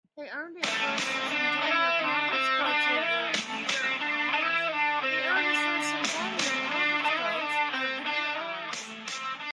He earned his first Centennial Conference Coach of the Year honors.